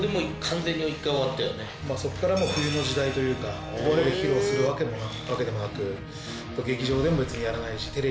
そこから冬の時代というかどこで披露するわけでもなく。